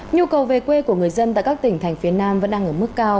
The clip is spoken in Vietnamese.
nhu cầu về quê của người dân tại các tỉnh thành phía nam vẫn đang ở mức cao